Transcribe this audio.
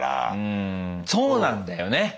うんそうなんだよね。